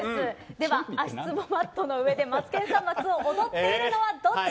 では足ツボマットの上で「マツケンサンバ２」を踊っているのはどっち？